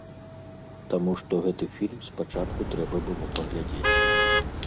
Таму што гэты фільм спачатку трэба было паглядзець.